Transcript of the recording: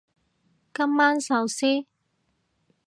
今晚壽司